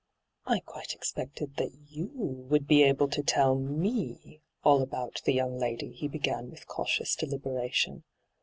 ' I. quite expected that you would be able to tell me all about the young lady,' he began with cautious deliberation.